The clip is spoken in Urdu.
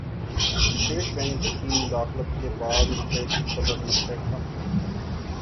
اسٹیٹ بینک کی مداخلت کے بعد روپے کی قدر مستحکم